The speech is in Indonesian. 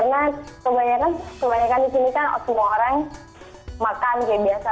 karena kebanyakan di sini kan semua orang makan seperti biasa